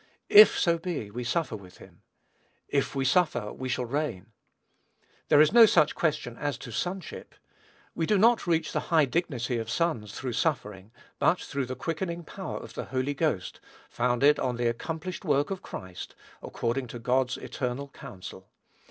"If so be we suffer with him." "If we suffer, we shall reign." There is no such question as to sonship. We do not reach the high dignity of sons through suffering, but through the quickening power of the Holy Ghost, founded on the accomplished work of Christ, according to God's eternal counsel.